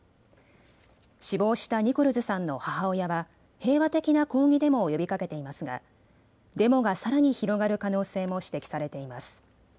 死亡したニコルズさんの母親は平和的な抗議デモを呼びかけていますがデモがさらに広がる可能性も指摘されています。